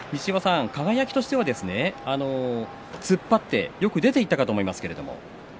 西岩さん輝としては突っ張ってよく出ていたかと思いますが。